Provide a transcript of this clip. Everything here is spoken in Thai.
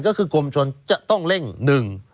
ก็คือกรมชนจะต้องเร่งหนึ่ง